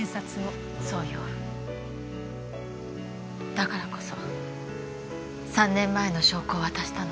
だからこそ３年前の証拠を渡したの。